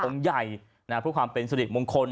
องค์ใหญ่ผู้ความเป็นสลิกมงคล